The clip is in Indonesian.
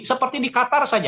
seperti di qatar saja